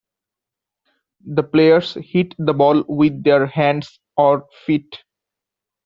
The players hit the ball with their hands or feet.